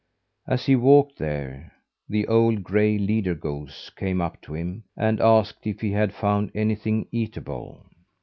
As he walked there, the old gray leader goose came up to him, and asked if he had found anything eatable.